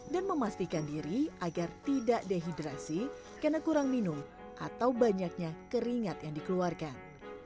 dan memastikan diri agar tidak dehidrasi karena kurang minum atau banyaknya keringat yang dikeluarkan